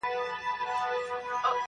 o چي زه او ته راضي، ښځه غيم د قاضي!